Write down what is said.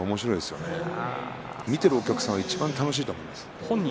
ですから見ているお客さんがいちばん楽しいと思いますよ。